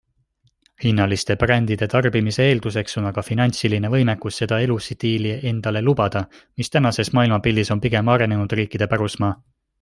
Hinnaliste brändide tarbimise eelduseks on aga finantsiline võimekus seda elustiili endale lubada, mis tänases maailmapildis on pigem arenenud riikide pärusmaa.